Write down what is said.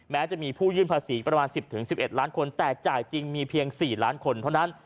แม้จะมีผู้ยื่นภาษีประมาณ๑๐๑๑ล้านคนแต่จ่ายจริงมีเพียง๔ล้านคนเท่านั้น